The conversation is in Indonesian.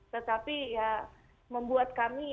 tetapi ya membuat kami